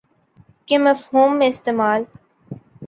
کے مفہوم میں استعمال